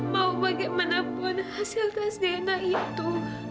mau bagaimanapun hasil tas dana itu